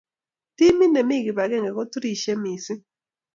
Timit ne mii kibakenge ko turishe mising.